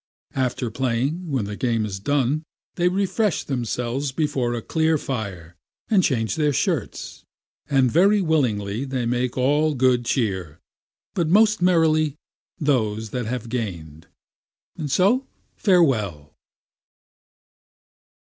After playing, when the game is done, they refresh themselves before a clear fire, and change their shirts; and very willingly they make all good cheer, but most merrily those that have gained. And so, farewell!